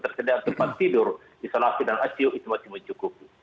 dan ketersediaan tempat tidur isolasi dan asio itu masih mencukupi